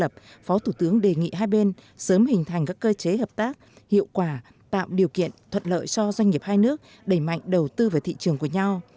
trong các lập phó thủ tướng đề nghị hai bên sớm hình thành các cơ chế hợp tác hiệu quả tạm điều kiện thuận lợi cho doanh nghiệp hai nước đẩy mạnh đầu tư vào thị trường của nhau